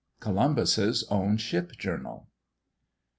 COLUMBUS'S OWN SHIP JOURNAL.